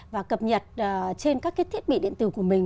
và cập nhật trên các cái thiết bị điện tử của mình